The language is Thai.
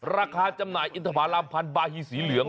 ราคาจำหน่ายอินทธิภารามพันธุ์บาฮีสีเหลือง